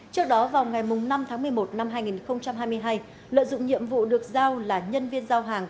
trước đó vào ngày năm tháng một mươi một năm hai nghìn hai mươi hai lợi dụng nhiệm vụ được giao là nhân viên giao hàng